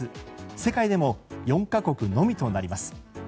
世界でも４か国のみとなります。